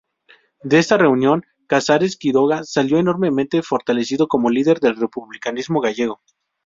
De esta reunión, Casares Quiroga salió enormemente fortalecido como líder del republicanismo gallego.